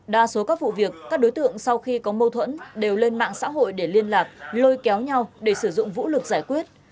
đa số các vụ việc các đối tượng sau khi có mâu thuẫn đều lên mạng xã hội để liên lạc lôi kéo nhau để sử dụng vũ lực giải quyết